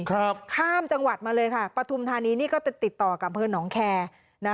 ครับข้ามจังหวัดมาเลยค่ะปธุมธานีนี่ก็ได้ติดต่อกับอำเพิ่งหนองแคร์